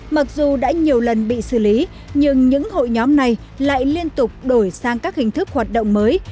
mặc dù đã nhiều lần bị xử lý nhưng những hội nhóm này lại liên tục đổi sang các hình thức hoạt động mới